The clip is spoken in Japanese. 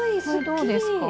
どうですか？